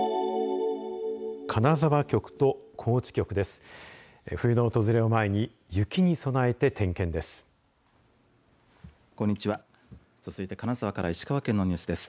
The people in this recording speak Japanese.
金沢局と高知局です。